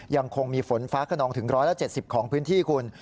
ยังคงมีฝนฟ้าขนองถึง๑๗๐ของพื้นที่คุณ